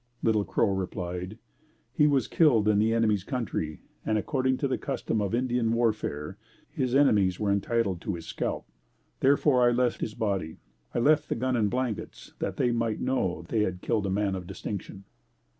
Little Crow replied, "He was killed in the enemies' country and according to the custom of Indian warfare his enemies were entitled to his scalp; therefore I left his body. I left the gun and blankets that they might know they had killed a man of distinction."